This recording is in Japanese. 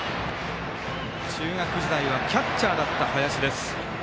中学時代はキャッチャーだった林です。